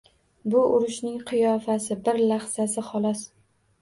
Bu urushning qiyofasi, bir lahzasi xolos